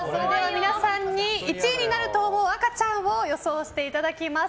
皆さんに１位になると思う赤ちゃんを予想していただきます。